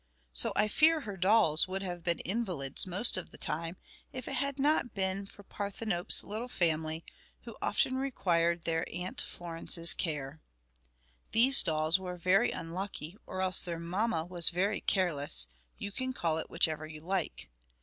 So I fear her dolls would have been invalids most of the time if it had not been for Parthenope's little family, who often required their Aunt Florence's care. These dolls were very unlucky, or else their mamma was very careless; you can call it whichever you like.